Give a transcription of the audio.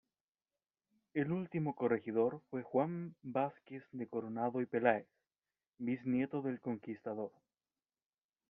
El último corregidor fue Juan Vázquez de Coronado y Peláez, bisnieto del conquistador.